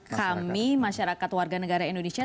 kami masyarakat warga negara indonesia